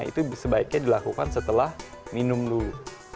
itu sebaiknya dilakukan setelah minum dulu